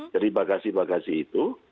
jadi bagasi bagasi itu